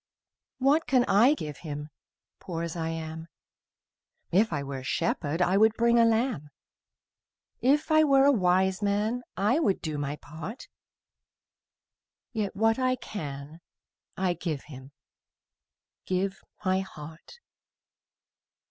What can I give Him, Poor as I am? If I were a shepherd, I would bring a lamb; If I were a wise man, I would do my part: Yet what I can I give Him, Give my heart.